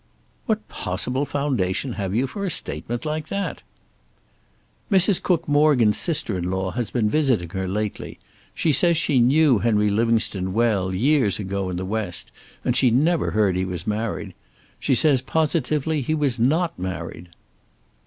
"What possible foundation have you for a statement like that?" "Mrs. Cook Morgan's sister in law has been visiting her lately. She says she knew Henry Livingstone well years ago in the West, and she never heard he was married. She says positively he was not married."